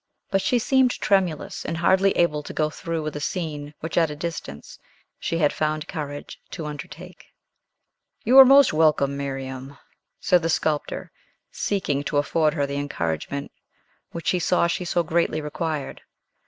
But she seemed tremulous, and hardly able to go through with a scene which at a distance she had found courage to undertake. "You are most welcome, Miriam!" said the sculptor, seeking to afford her the encouragement which he saw she so greatly required.